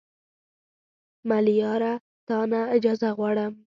ملیاره تا نه اجازه غواړم